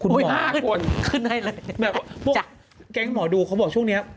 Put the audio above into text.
๕คนขึ้นให้เลยแบบพวกแก๊งหมอดูเขาบอกช่วงนี้